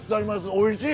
おいしい！